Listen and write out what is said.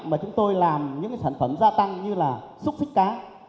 mà chúng tôi làm những sản phẩm gia tăng như là xúc xích cá